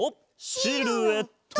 シルエット！